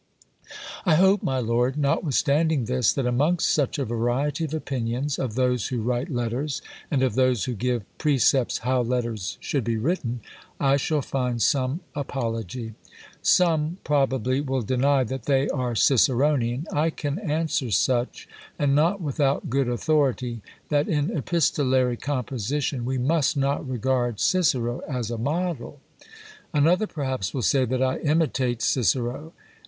I hope, my Lord, notwithstanding this, that amongst such a variety of opinions, of those who write letters, and of those who give precepts how letters should be written, I shall find some apology. Some, probably, will deny that they are Ciceronian. I can answer such, and not without good authority, that in epistolary composition we must not regard Cicero as a model. Another perhaps will say that I imitate Cicero.